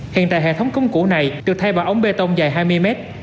hiện tại hệ thống cống cổ này được thay bỏ ống bê tông dài hai mươi mét